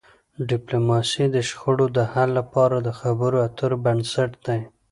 ډيپلوماسي د شخړو د حل لپاره د خبرو اترو بنسټ دی.